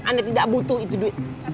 anda tidak butuh itu duit